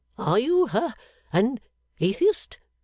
Are you ha an Atheist?